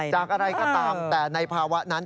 จากอะไรก็ตามแต่ในภาวะนั้น